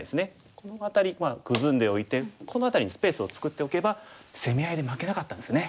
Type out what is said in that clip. この辺りまあグズんでおいてこの辺りにスペースを作っておけば攻め合いで負けなかったんですね。